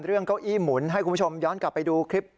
เก้าอี้หมุนให้คุณผู้ชมย้อนกลับไปดูคลิป